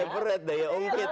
peret daya ungkit